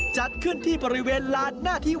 จัดขึ้นที่บริเวณลานหน้าที่